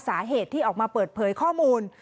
สาเหตุที่ออกมาเปิดเผยข้อมูล